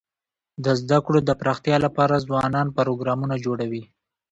د زده کړو د پراختیا لپاره ځوانان پروګرامونه جوړوي.